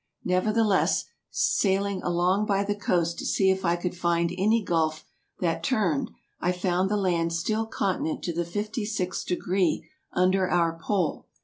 Neuerthelesse, sayling along by the coast to see if I could finde any gulfe that turned, I found the lande still continent to the 56. degree vnder our Pole.